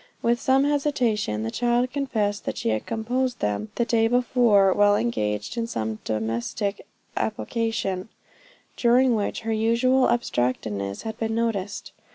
With some hesitation the child confessed that she had composed them the day before, while engaged in some domestic avocation, during which her unusual abstracedness had been noticed.